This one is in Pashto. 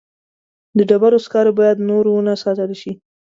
د ډبرو سکاره باید نور ونه ساتل شي.